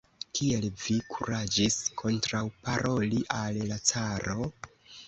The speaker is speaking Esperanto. Kiel vi kuraĝis kontraŭparoli al la caro?